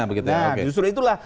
nah justru itulah